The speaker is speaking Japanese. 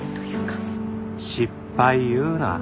失敗言うな。